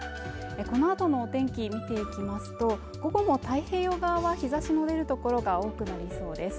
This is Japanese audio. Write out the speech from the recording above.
このあとのお天気見ていきますと午後も太平洋側は日差しの出るところが多くなりそうです